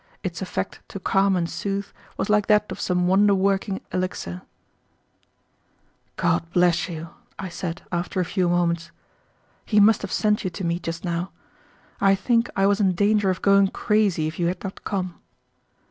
Its effect to calm and soothe was like that of some wonder working elixir. "God bless you," I said, after a few moments. "He must have sent you to me just now. I think I was in danger of going crazy if you had not come."